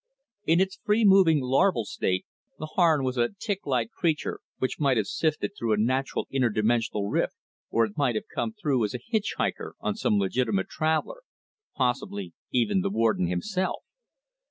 In its free moving larval state, the Harn was a ticklike creature which might have sifted through a natural inter dimensional rift; or it might have come through as a hitchhiker on some legitimate traveler, possibly even the Warden himself.